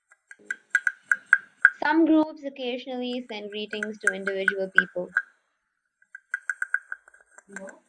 Some groups occasionally send greetings to individual people.